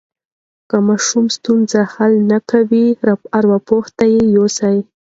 که ماشوم ستونزه نه حل کوي، ارواپوه ته یې یوسئ.